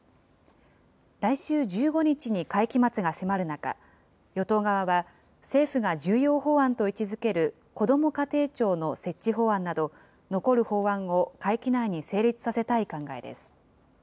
来週１５日に会期末が迫る中、与党側は、政府が重要法案と位置づけるこども家庭庁の設置法案など、残る法案を会期内に成立させたい考えです。